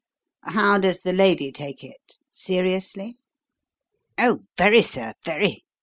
How does the lady take it? Seriously?" "Oh, very, sir, very.